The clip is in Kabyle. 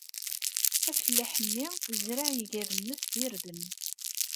Afellaḥ-nni yezreɛ iger-nnes d irden.